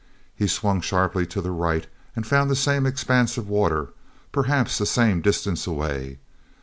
He swung sharply to the right and found the same expanse of water, perhaps the same distance away.